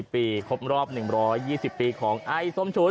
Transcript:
ปีครบรอบ๑๒๐ปีของไอ้ส้มฉุน